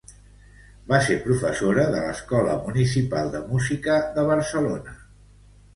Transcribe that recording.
Va ser professora de l'Escola Municipal de Música de Barcelona.